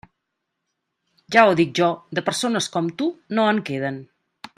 Ja ho dic jo; de persones com tu, no en queden.